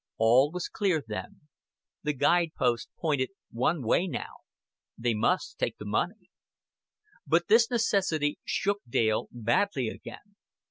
All was clear then: the guide post pointed one way now: they must take the money. But this necessity shook Dale badly again.